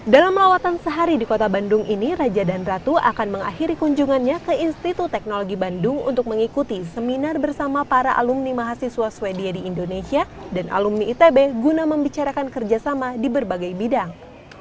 dalam lawatan sehari di kota bandung ini raja dan ratu akan mengakhiri kunjungannya ke institut teknologi bandung untuk mengikuti seminar bersama para alumni mahasiswa swedia di indonesia dan alumni itb guna membicarakan kerjasama di berbagai bidang